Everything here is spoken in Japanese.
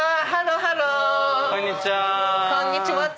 こんにちは。